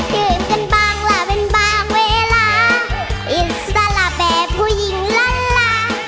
ตื่นกันบ้างล่ะเป็นบางเวลาอิสระแบบผู้หญิงล้าน